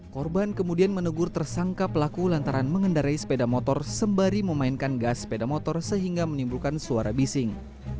korban kemudian menegur tersangka pelaku lantaran mengendarai sepeda motor sembari memainkan gas sepeda motor sehingga menimbulkan suara bising